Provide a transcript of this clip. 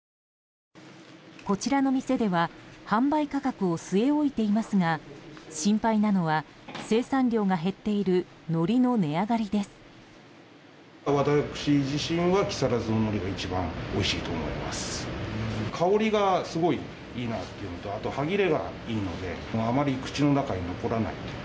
こちらの店では販売価格を据え置いていますが心配なのは生産量が減っているのりの値上がりです。